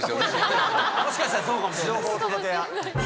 もしかしたらそうかもしれない。